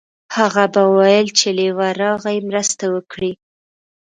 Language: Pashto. هغه به ویل چې لیوه راغی مرسته وکړئ.